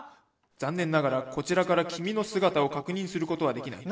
「残念ながらこちらから君の姿を確認することはできない。